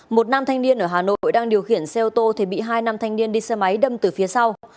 một nam thanh niên ở hà nội đang điều khiển xe ô tô thì bị hai nam thanh niên đi xe máy đâm từ phía sau